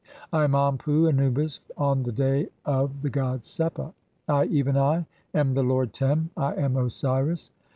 I am Anpu (Anubis) [on the day of] (9) "the god Sepa. I, even I, am the lord Tem. I am Osiris.